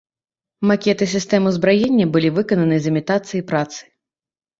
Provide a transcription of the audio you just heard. Макеты сістэм узбраення былі выкананы з імітацыяй працы.